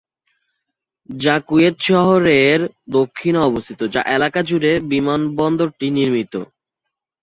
যা কুয়েত শহরের দক্ষিণে অবস্থিত, যা এলাকা জুড়ে বিমানবন্দরটি নির্মিত।